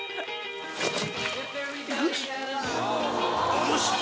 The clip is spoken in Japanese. よし！